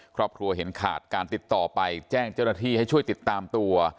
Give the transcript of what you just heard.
ครอบครัวเห็นขาดการติดต่อไปแจ้งเจ้าหน้าที่ให้ช่วยติดตามตัว